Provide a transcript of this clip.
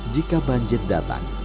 jika banjir datang